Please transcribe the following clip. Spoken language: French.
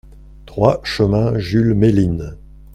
trois chemin Jules Méline